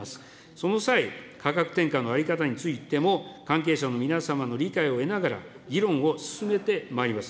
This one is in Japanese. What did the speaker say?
その際、価格転嫁の在り方についても、関係者の皆様の理解を得ながら議論を進めてまいります。